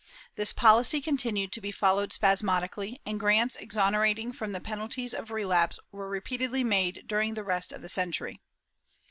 ^ This policy continued to be followed spasmodically and grants exonerating from the penalties of relapse were repeatedly made during the rest of the century.